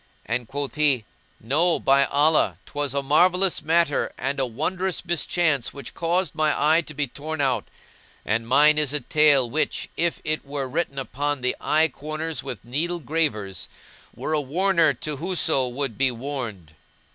and quoth he, "No, by Allah, 'twas a marvellous matter and a wondrous mischance which caused my eye to be torn out, and mine is a tale which, if it were written upon the eye corners with needle gravers, were a warner to whoso would be warned."